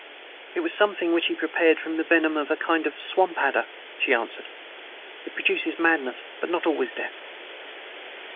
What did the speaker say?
"It was something which he prepared from the venom of a kind of swamp adder," she answered. "It produces madness, but not always death."